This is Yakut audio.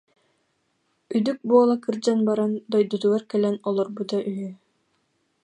Үдүк буола кырдьан баран дойдутугар кэлэн олорбута үһү